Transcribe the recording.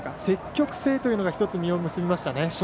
積極性というのが１つ実を結びましたね。